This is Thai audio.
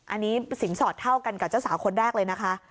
อันนี้สินสอดเท่ากันกับเจ้าสาวคนแรกเลยนะคะ